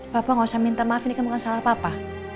papa gak usah minta maaf ini kan bukan salah papa